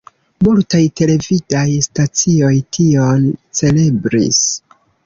Multaj televidaj stacioj tion celebris.